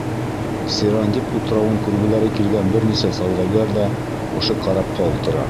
Сирандип утрауын күргеләре килгән бер нисә сауҙагәр ҙә ошо карапҡа ултыра.